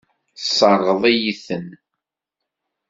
Tesseṛɣeḍ-iyi-ten.